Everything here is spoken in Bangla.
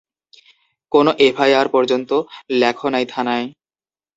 কোনো এফআইআর পর্যন্ত লেখো নাই থানায়।